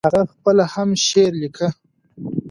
هغه خپله هم شعر ليکه.